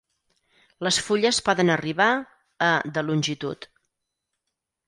Les fulles poden arribar a de longitud.